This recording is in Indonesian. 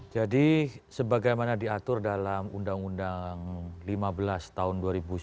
jadi sebagaimana diatur dalam undang undang lima belas tahun dua ribu sembilan belas